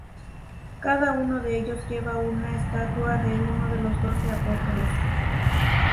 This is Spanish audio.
Cada uno de ellos lleva una estatua de uno de los doce apóstoles.